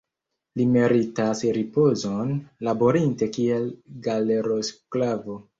Li meritas ripozon, laborinte kiel galerosklavo.